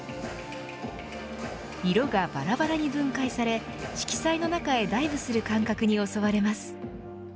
色がばらばらに分解され色彩の中へダイブする感覚に襲われます。